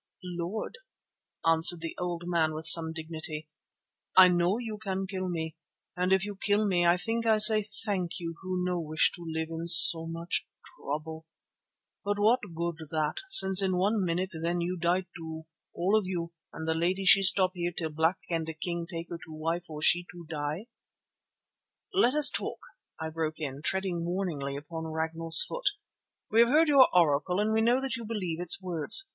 "Lord," answered the old man with some dignity, "I know you can kill me, and if you kill me, I think I say thank you who no wish to live in so much trouble. But what good that, since in one minute then you die too, all of you, and lady she stop here till Black Kendah king take her to wife or she too die?" "Let us talk," I broke in, treading warningly upon Ragnall's foot. "We have heard your Oracle and we know that you believe its words.